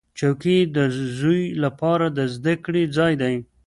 چوکۍ د زوی لپاره د زده کړې ځای دی.